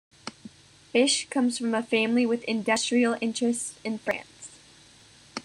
Bisch comes from a family with industrial interests in France.